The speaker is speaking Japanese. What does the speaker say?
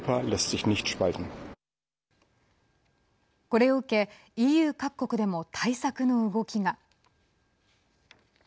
これを受け、ＥＵ各国でも対策の動きが。